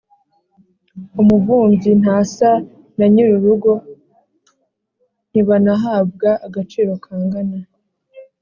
umuvumbyi ntasa na nyir’urugo ntibanahabwa agaciro kangana